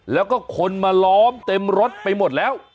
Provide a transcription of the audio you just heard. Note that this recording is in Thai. แล้วก็คนมาล้อมเต็มรถไปหมดแล้ว